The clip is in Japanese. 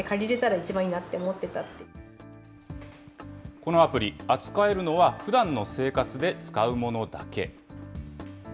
このアプリ、扱えるのは、ふだんの生活で使うものだけ。